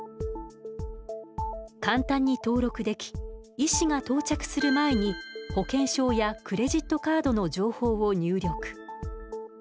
簡単に登録でき医師が到着する前に保険証やクレジットカードの情報を入力。